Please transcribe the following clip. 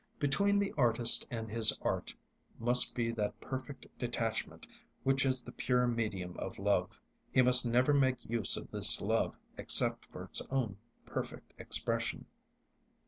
Between the artist and his art must be that perfect detachment which is the pure medium of love. He must never make use of this love except for its own perfect expression.